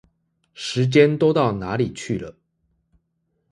時間都到哪裡去了？